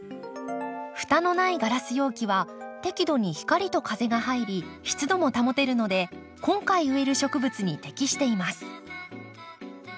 蓋のないガラス容器は適度に光と風が入り湿度も保てるので今回植える植物に適しています。